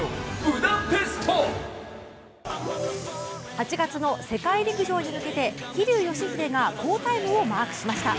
８月の世界陸上に向けて桐生祥秀が好タイムをマークしました。